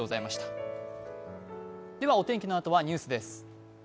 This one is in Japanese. お天気のあとはニュースです。